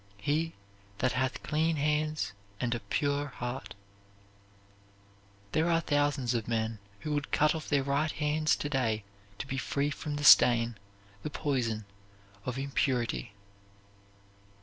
He that hath clean hands and a pure heart." There are thousands of men who would cut off their right hands to day to be free from the stain, the poison, of impurity.